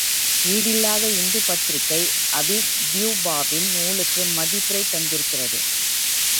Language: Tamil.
ஈடில்லாத இந்து பத்திரிகை, ஆபி டியூபாவின் நூலுக்கு மதிப்புரை தந்திருக்கிறது.